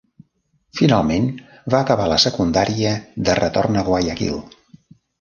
Finalment, va acabar la secundària de retorn a Guayaquil.